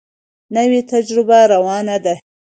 نوې تجربه روانه ده.